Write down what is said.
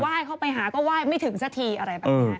จะไหว้เข้าไปหาก็ไหว้ไม่ถึงซะทีอะไรแบบนี้